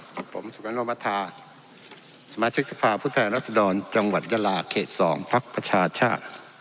สวัสดีค่ะสมาชิกสภาพุทธแห่งรัฐศดรจังหวัดกระลาศเขต๒ภักดิ์ประชาชา